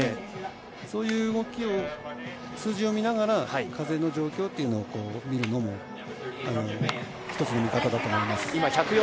そういう数字を見ながら、風の状況を見るのも一つの見方だと思います。